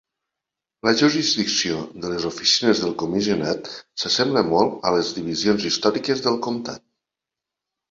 La jurisdicció de les Oficines del comissionat s'assembla molt a les divisions històriques del comtat.